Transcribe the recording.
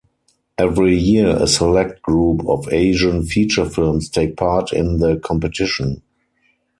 Every year a select group of Asian feature films take part in the competition.